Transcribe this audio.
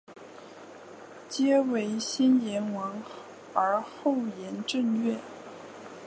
曷为先言王而后言正月？